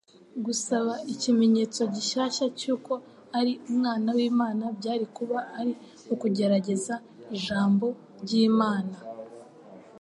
gusaba ikimenyetso gishyashya cyuko ari Umwana w'Imana byari kuba ari ukugerageza Ijambo ry'Imana,